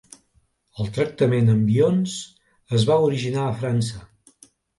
El tractament amb ions es va originar a França.